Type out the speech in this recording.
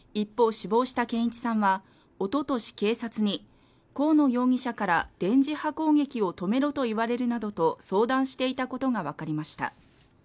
死亡した健一さんはおととし警察に河野容疑者から電磁波攻撃を止めろと言われるなどと相談していたことが分かりました